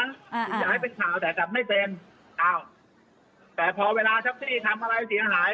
ย้ายเป็นข่าวแต่กลับไม่เต็มแต่พอเวลาแท็กซี่ทำอะไรเสียหาย